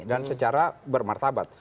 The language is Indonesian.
dan secara bermartabat